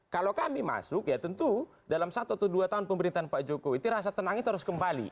kalau kami masuk ya tentu dalam satu atau dua tahun pemerintahan pak jokowi itu rasa tenang itu harus kembali